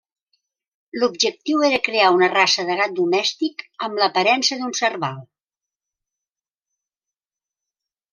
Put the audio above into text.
L'objectiu era crear una raça de gat domèstic amb l'aparença d'un Serval.